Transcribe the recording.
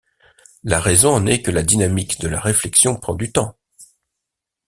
La raison en est que la dynamique de la réflexion prend du temps.